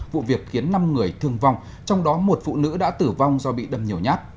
vụ việc khiến năm người thương vong trong đó một phụ nữ đã tử vong do bị đâm nhiều nhát